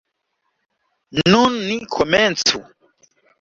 Nun ni komencu.